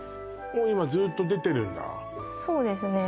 もう今ずっと出てるんだそうですね